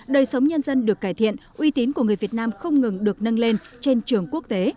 đời sống nhân dân được cải thiện uy tín của người việt nam không ngừng được nâng lên trên trường quốc tế